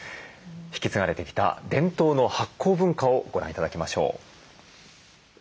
引き継がれてきた伝統の発酵文化をご覧頂きましょう。